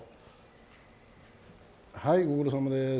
はい、ご苦労さまです。